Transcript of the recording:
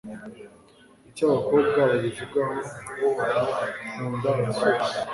Icyo abakobwa babivugaho Nkunda abasore